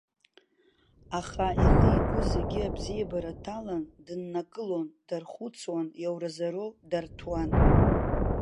Аха ихы-игәы зегьы абзиабара ҭалан дыннакылон, дархәыцуан, иоуразоуроу дарҭәуан.